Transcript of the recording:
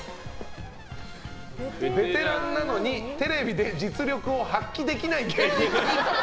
ベテランなのにテレビで実力を発揮できない芸人。